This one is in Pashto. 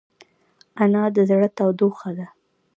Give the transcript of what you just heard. انا د زړه تودوخه ده